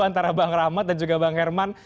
antara bang rahmat dan juga bang herman